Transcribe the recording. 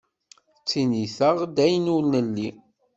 Ttiniteɣ-d ayen ur nelli.